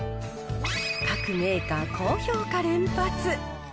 各メーカー高評価連発。